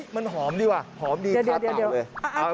มันหอมดีค้าเต่าเลย